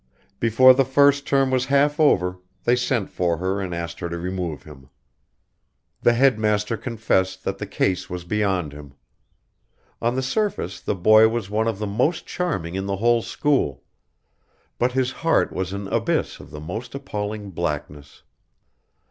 Before the first term was half over they sent for her and asked her to remove him. The head master confessed that the case was beyond him. On the surface the boy was one of the most charming in the whole school, but his heart was an abyss of the most appalling blackness.